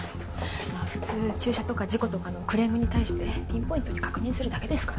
まぁ普通駐車とか事故とかのクレームに対してピンポイントに確認するだけですからね。